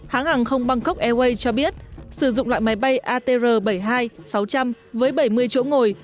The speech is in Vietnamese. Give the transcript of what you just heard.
hãng hàng không bangkok airways cho biết sử dụng loại máy bay atr bảy mươi hai sáu trăm linh với bảy mươi chỗ ngồi